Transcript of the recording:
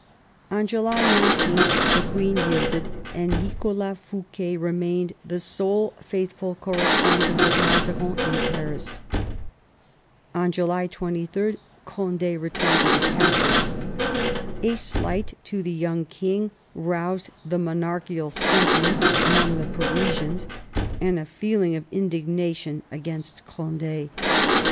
On July 19 the queen yielded, and Nicholas Fouquet remained the sole faithful correspondent of Mazarin in Paris. On July 23 Cond^ returned to the capital. A slight to the young king roused the monarchical senti ment among the Parisians and a feeling of indignation against Cond^.